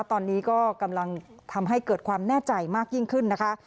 ตอนนี้ก็กำลังทำให้เกิดความแน่ใจมากยิ่งขึ้นนะคะ